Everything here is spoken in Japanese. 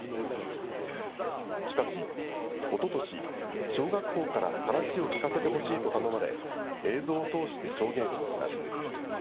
しかし、おととし、小学校から話を聞かせてほしいと頼まれ、映像を通して証言しました。